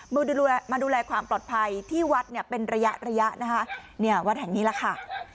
มาดูแลความปลอดภัยที่วัดเป็นระยะนะฮะ